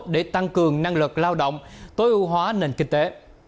để tăng cường năng lực lao động tối ưu hóa nền kinh tế